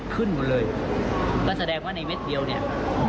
ขึ้นหมดเลยนั่นแสดงว่าในเม็ดเดียวเนี่ย